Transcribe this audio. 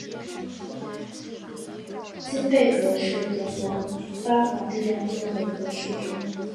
金贝格是德国巴伐利亚州的一个市镇。